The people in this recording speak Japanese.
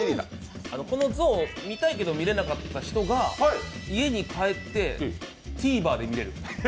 この像を見たいけど見れなかった人が家に帰ってＴＶｅｒで見れる。